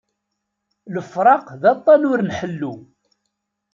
Lefraq d aṭan ur nḥellu